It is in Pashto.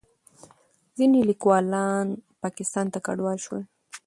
ځینې لیکوالان پاکستان ته کډه شول.